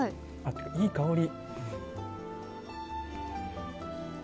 いい香り。